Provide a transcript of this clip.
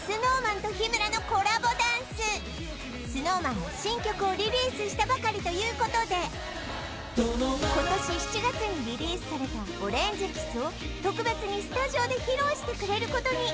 まずは話題になったＳｎｏｗＭａｎが新曲をリリースしたばかりということで今年７月にリリースされた「オレンジｋｉｓｓ」を特別にスタジオで披露してくれることに！